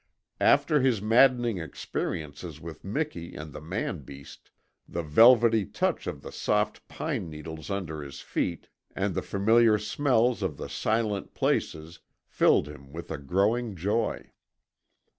After his maddening experiences with Miki and the man beast the velvety touch of the soft pine needles under his feet and the familiar smells of the silent places filled him with a growing joy.